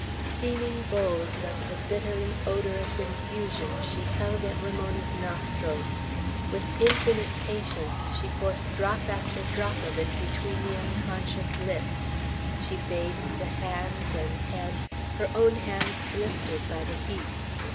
Steaming bowls of the bitterly odorous infusion she held at Ramona's nostrils; with infinite patience she forced drop after drop of it between the unconscious lips; she bathed the hands and head, her own hands blistered by the heat.